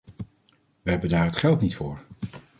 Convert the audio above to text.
We hebben daar het geld niet voor.